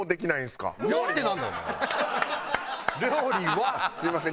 すいません